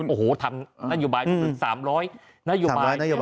โอ้โหทำนัยบาย๓๐๐นัยบาย